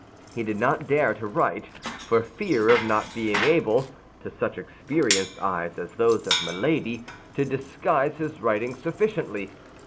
He did not dare to write for fear of not being able—to such experienced eyes as those of Milady—to disguise his writing sufficiently.